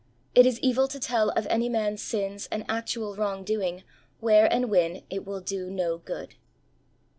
It is evil to tell of any man's sins and actual wrong doing where and when it will do no good.